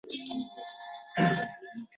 U kishi niyatimni eshitib, “Sen xonanda bo’lma.